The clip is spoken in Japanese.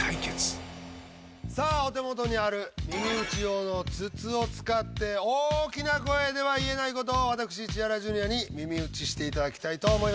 さあお手元にある耳打ち用の筒を使って大きな声では言えない事を私千原ジュニアに耳打ちしていただきたいと思います。